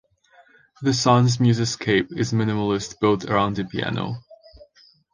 The song's musicscape is minimalist built around a piano.